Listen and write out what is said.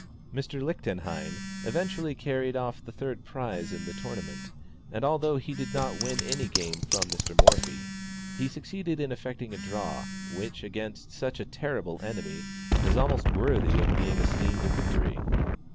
Mr. Lichtenhein eventually carried off the third prize in the tournament, and although he did not win any game from Mr. Morphy, he succeeded in effecting "a draw," which, against such a terrible enemy, is almost worthy of being esteemed a victory.